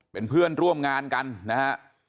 เป็นเพื่อนร่วมงานกันนะฮะ